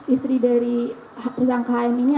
istri dari tersangka hm ini